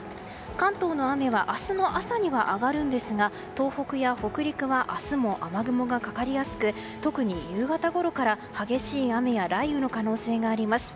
関東の雨は明日の朝には上がるんですが東北や北陸は明日も雨雲がかかりやすく特に夕方ごろから激しい雨や雷雨の可能性があります。